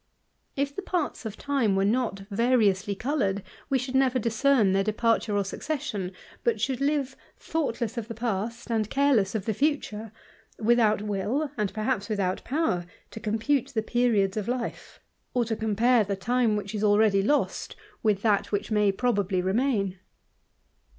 If the parts of time were not variously coloured, we should never discern their departure }r succession, but should live thoughtless of the past, and :aieless of the future, without will, and perhaps without xmer, to compute the periods of Ufe, or to compare the 304 THE IDLER, time which is already lost with that which may probabl; remain.